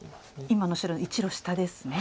今の白の１路下ですね。